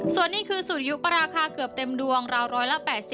ส่วนนี้คือสุริยุปราคาเกือบเต็มดวงราวร้อยละ๘๐